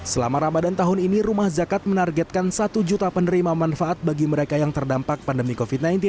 selama ramadan tahun ini rumah zakat menargetkan satu juta penerima manfaat bagi mereka yang terdampak pandemi covid sembilan belas